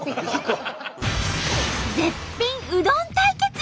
絶品うどん対決！